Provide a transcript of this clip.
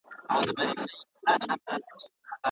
کليسا د تفکر او بحث مرکز و.